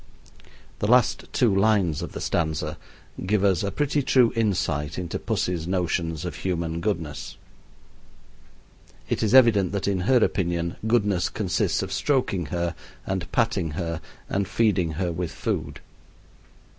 The last two lines of the stanza give us a pretty true insight into pussy's notions of human goodness. It is evident that in her opinion goodness consists of stroking her, and patting her, and feeding her with food.